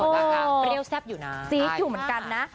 นะคะเปรี้ยวแซ่บอยู่นะจี๊ดอยู่เหมือนกันนะ